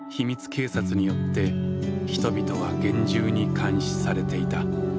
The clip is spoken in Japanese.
警察によって人々は厳重に監視されていた。